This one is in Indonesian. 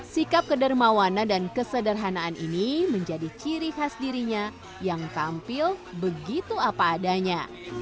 sikap kedermawana dan kesederhanaan ini menjadi ciri khas dirinya yang tampil begitu apa adanya